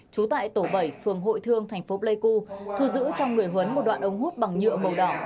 trú tại tổ bảy phường hội thương thành phố pleiku thu thu giữ trong người huấn một đoạn ống hút bằng nhựa màu đỏ